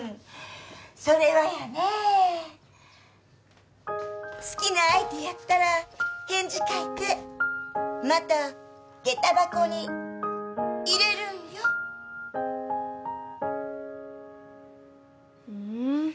それはやね好きな相手やったら返事書いてまた下駄箱に入れるんよふーん